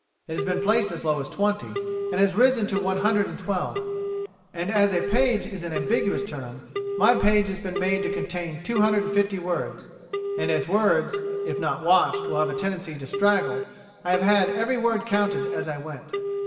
It has been placed as low as twenty, and has risen to one hundred and twelve. And as a page is an ambiguous term, my page has been made to contain two hundred and fifty words, and as words, if not watched, will have a tendency to straggle, I have had every word counted as I went."